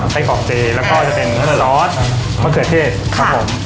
ไส้กรอบเจแล้วก็จะเป็นซอสมะเขือเทศครับครับ